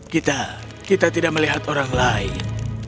kita kita tidak melihat orang lain